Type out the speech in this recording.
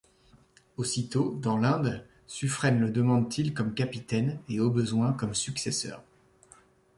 Aussi, dans l'Inde, Suffren le demande-t-il comme capitaine, et, au besoin, comme successeur.